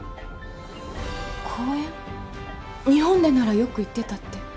日本でならよく行ってたって。